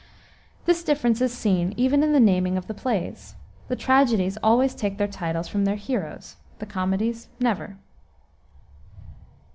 This difference is seen, even in the naming of the plays; the tragedies always take their titles from their heroes, the comedies never.